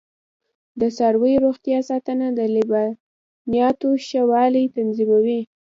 د څارویو روغتیا ساتنه د لبنیاتو ښه والی تضمینوي.